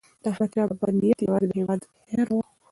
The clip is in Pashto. داحمدشاه بابا نیت یوازې د هیواد خیر و.